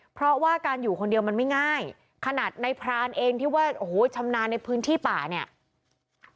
เพราะว่าการอยู่คนเดียวมันไม่ง่ายขนาดในพรานเองที่ว่าโอ้โหชำนาญในพื้นที่ป่าเนี่ย